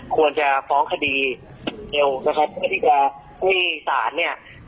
ควรจะฟ้องคดีเอวนะครับเพื่อที่จะให้ศาลเนี่ย